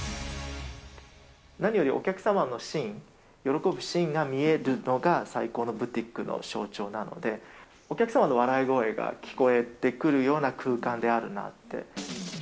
何よりお客様のシーン、喜ぶシーンが見えるのが、最高のブティックの象徴なので、お客様の笑い声が聞こえてくるような空間であるなって。